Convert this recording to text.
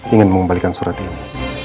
ingin membalikkan surat ini